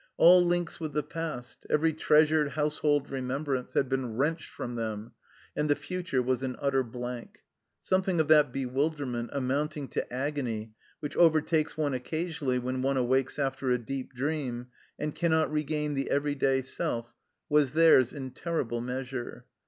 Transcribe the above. All links with the past, every treasured household remembrance, had been wrenched from them, and the future was an utter blank. Something of that bewilderment, amounting to agony, which overtakes one occa sionally when one awakes after a deep dream and cannot regain the everyday self was theirs in terrible measure.